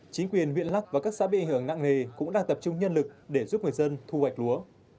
chính quyền viện lắc và các xã bị ảnh hưởng nặng nề cũng đang tập trung nhân lực để giúp người dân thu hoạch lúa